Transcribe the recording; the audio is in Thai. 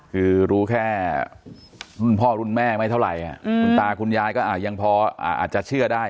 คือรู้แค่พ่อรุ่นแม่ไม่เท่าไรอ่ะอืมคุณตาคุณยายก็อ่ะยังพออ่ะอาจจะเชื่อได้